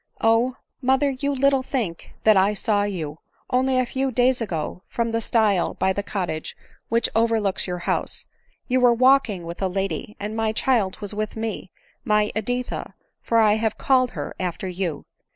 " Oh, mother, you little think that I saw you, only a few days ago, from the stile by the cottage which over looks your house ; you were walking with a lady, and ii 306 ADELINE MOWBRAY. my child was with me, (my Editha, for I have called her after you.)